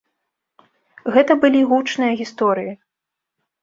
Гэта былі гучныя гісторыі.